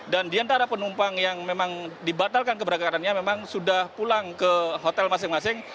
dan diantara penumpang yang memang dibatalkan keberangkatannya memang sudah pulang ke hotel masing masing